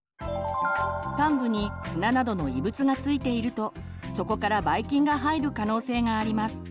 患部に砂などの異物がついているとそこからばい菌が入る可能性があります。